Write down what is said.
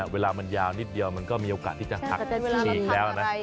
เวลามันยาวนิดเดียวมันก็มีโอกาสที่จะหักฉีกแล้วนะ